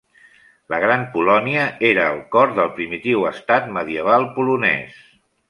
La Gran Polònia era el cor del primitiu estat medieval polonès.